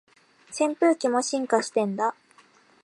扇風機も進化してんだ